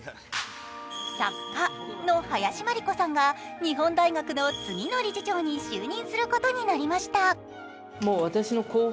作家の林真理子さんが日本大学の次の理事長に就任することが決まりました。